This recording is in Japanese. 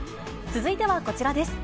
続いてはこちらです。